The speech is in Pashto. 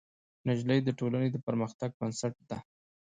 نجلۍ د ټولنې د پرمختګ بنسټ ده.